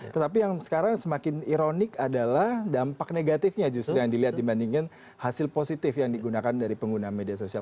tetapi yang sekarang semakin ironik adalah dampak negatifnya justru yang dilihat dibandingkan hasil positif yang digunakan dari pengguna media sosial